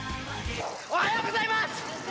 おはようございます。